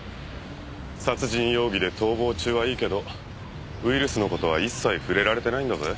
殺人容疑で逃亡中はいいけどウイルスの事は一切触れられてないんだぜ？